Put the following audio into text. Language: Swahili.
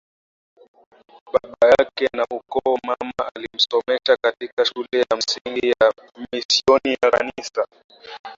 baba yake na ukoo Mama alimsomesha katika shule ya msingi ya misioni ya Kanisa